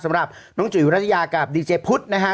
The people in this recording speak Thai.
สำหรับน้องจุ๋ยรัชยากับดีเจพุทธนะฮะ